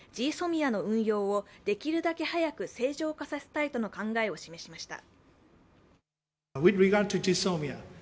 ＧＳＯＭＩＡの運用をできるだけ早く正常化させたいとの考えを示しました。